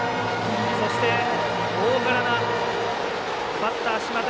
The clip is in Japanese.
そして、大柄なバッター島瀧